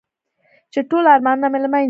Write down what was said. چې ټول ارمانونه مې له منځه ځي .